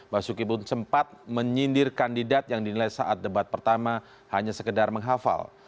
basuki pun sempat menyindir kandidat yang dinilai saat debat pertama hanya sekedar menghafal